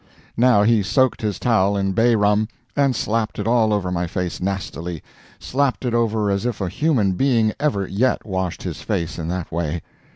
Now he soaked his towel in bay rum, and slapped it all over my face nastily; slapped it over as if a human being ever yet washed his face in that way.